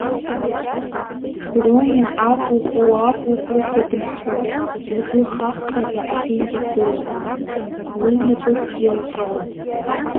Брониа акәукәуакәукәу ҳәа дыҳәҳәон, лгәы хаххаӡа аԥенџьыр дылагыланы, лыҩнапыкгьы лҟьон.